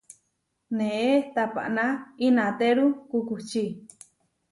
Née tapaná inatéru kukuči.